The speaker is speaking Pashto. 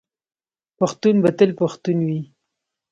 پښتون به تل پښتون وي.